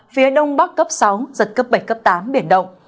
phía đông bắc cấp sáu giật cấp bảy cấp tám biển động